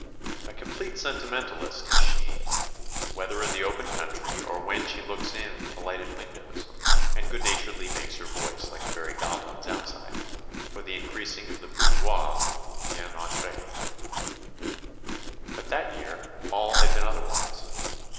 A complete sentimentalist is she, whether in the open country or when she looks in at the lighted windows, and goodnaturedly makes her voice like a very goblin's outside, for the increasing of the bourgeois' bien etre. But that year all had been otherwise.